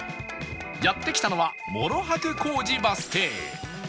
やって来たのは諸白小路バス停